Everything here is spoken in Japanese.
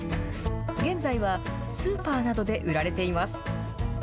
現在はスーパーなどで売られています。